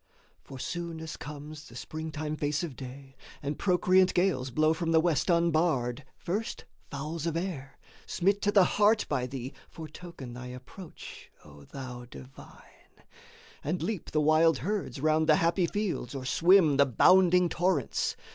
For soon as comes the springtime face of day, And procreant gales blow from the West unbarred, First fowls of air, smit to the heart by thee, Foretoken thy approach, O thou Divine, And leap the wild herds round the happy fields Or swim the bounding torrents.